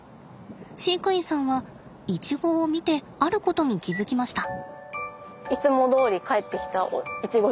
飼育員さんはイチゴを見てあることに気付きました。